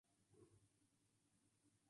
El río no tiene afluentes de importancia.